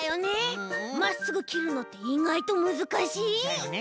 まっすぐきるのっていがいとむずかしい！だよね！